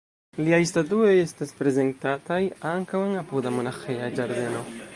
Liaj statuoj estas prezentataj ankaŭ en apuda monaĥeja ĝardeno.